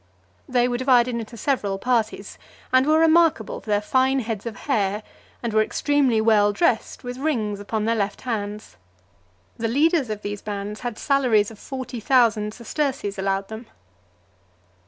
They were (351) divided into several parties, and were remarkable for their fine heads of hair, and were extremely well dressed, with rings upon their left hands. The leaders of these bands had salaries of forty thousand sesterces allowed them.